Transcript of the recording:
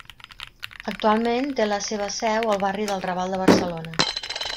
Actualment té la seva seu al barri del Raval de Barcelona.